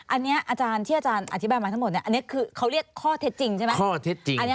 อันนี้ที่อาจารย์อธิบายมาทั้งหมดอันนี้เขาเรียกข้อเท็จจริงใช่ไหม